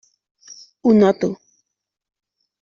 Ho noto.